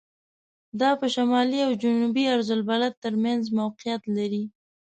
دا په شمالي او جنوبي عرض البلد تر منځ موقعیت لري.